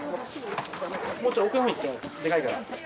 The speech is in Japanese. ・もうちょい奥のほう行ってでかいから。